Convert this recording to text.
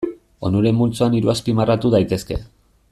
Onuren multzoan hiru azpimarratu daitezke.